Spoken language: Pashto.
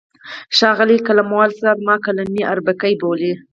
ښاغلی قلموال صاحب ما قلمي اربکی بولي.